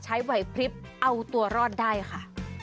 ใช้วัยพลิบอ้าวตัวรอดได้ค่ะ